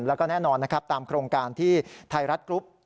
แล้วก็แน่นอนนะครับตามโครงการที่ไทยรัฐกรุ๊ป